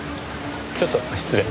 ちょっと失礼。